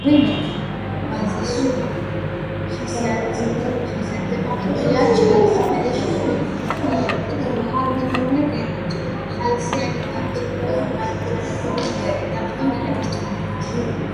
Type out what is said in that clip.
ღვინო „ვაზისუბანი“ ხასიათდება ღია ჩალისფერი შეფერვით, ჰარმონიული გემოთი, ხალისიანი, განვითარებული ბუკეტით, ყვავილების ტონებით.